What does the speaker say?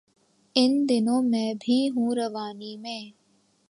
ان دنوں میں بھی ہوں روانی میں